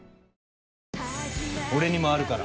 「俺にもあるから。